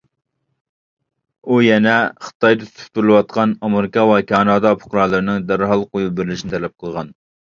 ئۇ يەنە خىتايدا تۇتۇپ تۇرۇلۇۋاتقان ئامېرىكا ۋە كانادا پۇقرالىرىنىڭ دەرھال قويۇپ بېرىلىشىنى تەلەپ قىلغان.